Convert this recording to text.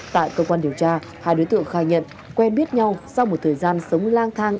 tại cơ quan điều tra hai đối tượng khai nhận quen biết nhau sau một thời gian sống lang thang